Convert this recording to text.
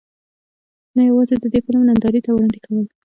نۀ يواځې د دې فلم نندارې ته وړاندې کول